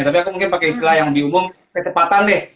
tapi aku mungkin pakai istilah yang diumum kecepatan deh